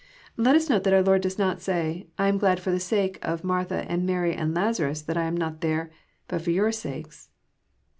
Let us note that our Lord does not say, *' I am glad for the sake of Martha and Mary and Lazarus that I am not there, but for your sakes.